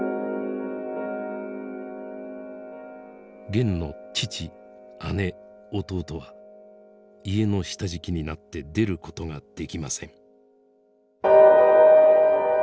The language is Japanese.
ゲンの父姉弟は家の下敷きになって出ることができません。